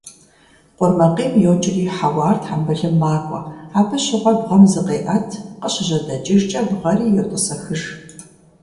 Къурмакъейм йокӀри хьэуар тхъэмбылым макӀуэ, абы щыгъуэ бгъэм зыкъеӀэт, къыщыжьэдэкӀыжкӀэ бгъэри йотӀысэхыж.